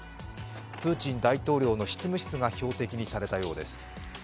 プーチン大統領の執務室が標的にされたようです。